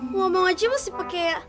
ngomong aja masih pake